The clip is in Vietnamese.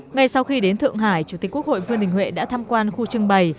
ngay sau khi đến thượng hải chủ tịch quốc hội vương đình huệ đã tham quan khu trưng bày